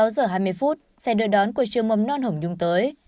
sáu giờ hai mươi phút xe đưa đón của chương mông non hổng dung tới